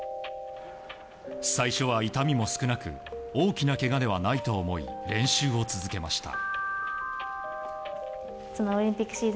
最初は痛みも少なく大きなけがではないと思い練習を続けました。